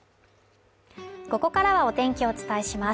ここからはお天気をお伝えします。